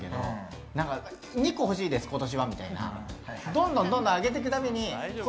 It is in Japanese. どんどんあげていくたびに。